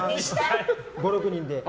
５６人で。